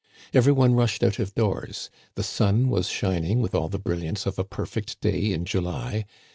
Every one rushed out of doors. The sun was shining with all the brilliance of a perfect day in July.